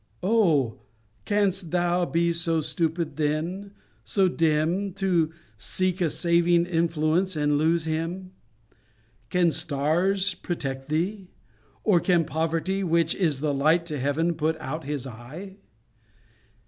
Oh! canst thou be so stupid then, so dim, To seek a saving influence, and lose Him? Can stars protect thee? Or can poverty, Which is the light to heaven, put out His eye!